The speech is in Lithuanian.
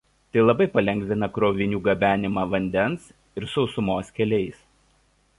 Tai labai palengvina krovinių gabenimą vandens ir sausumos keliais.